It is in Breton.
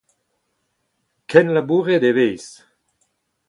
Kenlabouret e vez.